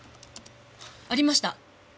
ありました。